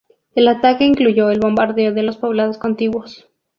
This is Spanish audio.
El ataque incluyó el bombardeo de los poblados contiguos.